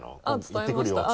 「行ってくるよ」って。